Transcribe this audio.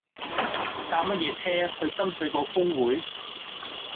搭乜嘢車去深水埗丰滙